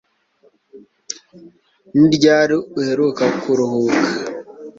Ni ryari uheruka kuruhuka